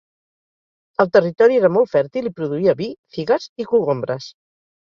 El territori era molt fèrtil i produïa vi, figues i cogombres.